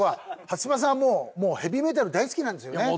初芝さんはもうヘビーメタル大好きなんですよね？